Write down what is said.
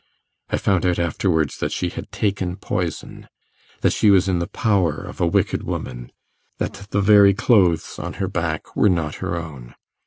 I found out afterwards that she had taken poison that she was in the power of a wicked woman that the very clothes on her back were not her own.